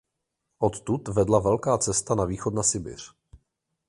Odtud vedla velká cesta na východ na Sibiř.